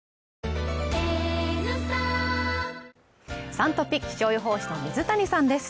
「Ｓｕｎトピ」、気象予報士の水谷さんです。